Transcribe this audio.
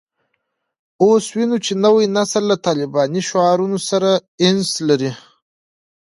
اوس وینو چې نوی نسل له طالباني شعارونو سره انس لري